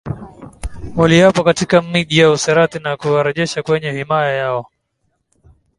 waliapo katika miji ya usirata na kuwarejesha kwenye himaya yao